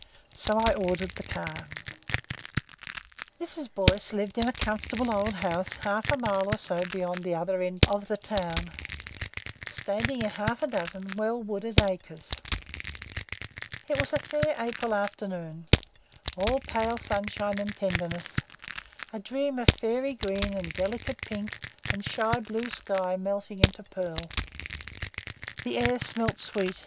So I ordered the car. Mrs. Boyce lived in a comfortable old house half a mile or so beyond the other end of the town, standing in half a dozen well wooded acres. It was a fair April afternoon, all pale sunshine and tenderness. A dream of fairy green and delicate pink and shy blue sky melting into pearl. The air smelt sweet.